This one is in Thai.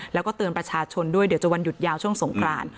แล้วก็เตือนประชาชนด้วยเดี๋ยวจะวันหยุดยาวช่วงสงคราน